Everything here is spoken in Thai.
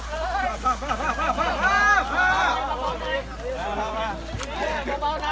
กลับมาเมื่อเวลาเมื่อเวลา